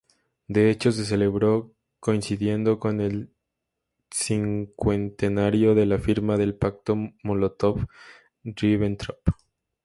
De hecho, se celebró coincidiendo con el cincuentenario de la firma del Pacto Mólotov-Ribbentrop.